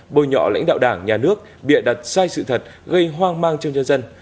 bôi nhọ lãnh đạo đảng nhà nước bịa đặt sai sự thật gây hoang mang trong nhân dân